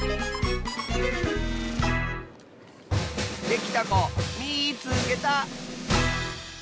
できたこみいつけた！